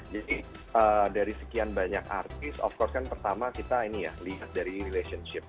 jadi dari sekian banyak artis of course kan pertama kita lihat dari relationship